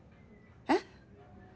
えっ。